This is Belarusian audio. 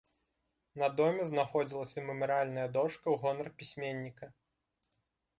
На доме знаходзілася мемарыяльная дошка ў гонар пісьменніка.